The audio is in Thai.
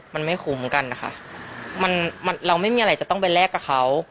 มันไม่คุ้มกันนะคะมันเราไม่มีอะไรจะต้องไปแลกกับเขา